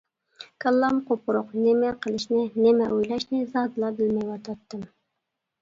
كاللام قۇپقۇرۇق، نېمە قىلىشنى، نېمە ئويلاشنى زادىلا بىلمەيۋاتاتتىم.